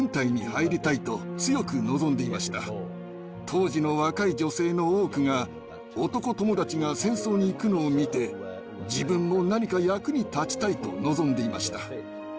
当時の若い女性の多くが男友達が戦争に行くのを見て自分も何か役に立ちたいと望んでいました。